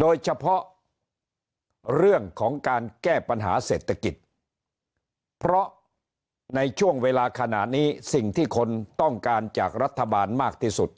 โดยเฉพาะเรื่องของการแก้ปัญหาเศรษฐกิจเพราะในช่วงเวลาขณะนี้สิ่งที่คนต้องการจากรัฐบาลมากที่สุด